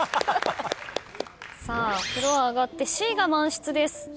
さあフロア上がってＣが満室です。